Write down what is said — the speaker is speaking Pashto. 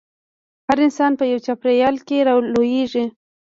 هر انسان په يوه چاپېريال کې رالويېږي.